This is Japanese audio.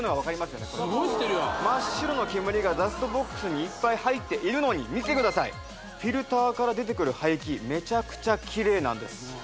すごい吸ってるよ真っ白の煙がダストボックスにいっぱい入っているのに見てくださいフィルターから出てくる排気メチャクチャキレイなんです